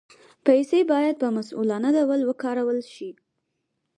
پیسې باید په مسؤلانه ډول وکارول شي.